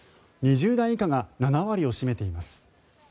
２０代以下が７割を占めています。